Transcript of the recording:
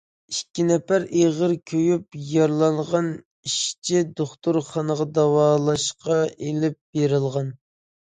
ئىككى نەپەر ئېغىر كۆيۈپ يارىلانغان ئىشچى دوختۇرخانىغا داۋالاشقا ئېلىپ بېرىلغان.